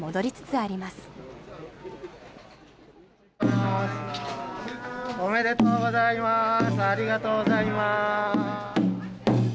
ありがとうございます。